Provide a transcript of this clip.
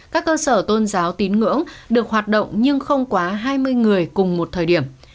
các cơ sở tôn giáo tín ngưỡng được hoạt động nhưng không quá hai mươi người cùng một thời điểm